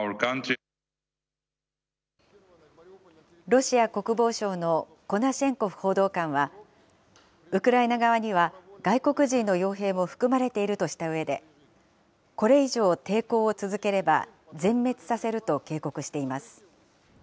ロシア国防省のコナシェンコフ報道官は、ウクライナ側には外国人のよう兵も含まれているとしたうえで、これ以上、抵抗を続ければ、全滅させると警告しています。